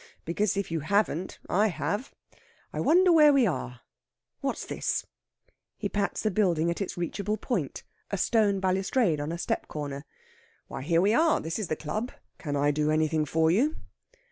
Because if you haven't, I have. I wonder where we are. What's this?" He pats a building at its reachable point a stone balustrade at a step corner. "Why, here we are! This is the Club. Can I do anything for you?"